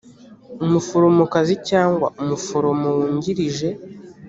umuforomokazi cyangwa umuforomo wungirije